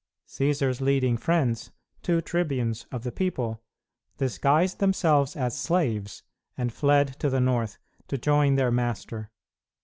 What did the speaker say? Cćsar's leading friends, two tribunes of the people, disguised themselves as slaves and fled to the north to join their master.